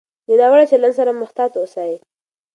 د ناوړه چلند سره محتاط اوسئ.